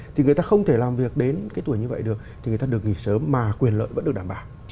thì người ta không thể làm việc đến cái tuổi như vậy được thì người ta được nghỉ sớm mà quyền lợi vẫn được đảm bảo